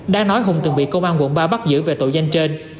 đang nói hùng từng bị công an quận ba bắt giữ về tội danh trên